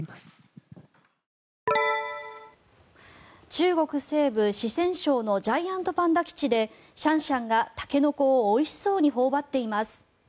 中国西部四川省のジャイアントパンダ基地でシャンシャンがタケノコをおいしそうに頬張っています。